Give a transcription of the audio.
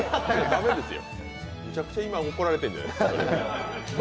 めちゃくちゃ今、怒られてるんじゃないですか？